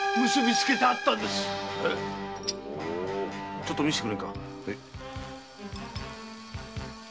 ちょっと見せてくれんか。